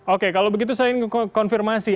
oke kalau begitu saya ingin konfirmasi